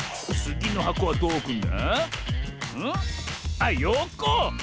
あっよこ！